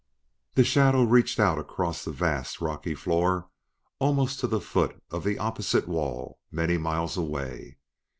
The shadow reached out across the vast, rocky floor almost to the foot of the opposite wall many miles away.